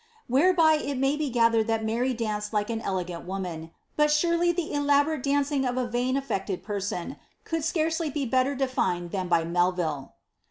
" Whereby it may be gathered that Mary danced like an elegant woman ; but surely the elaborate dancing of a vain affected person could scarcely be better defined than by Melville.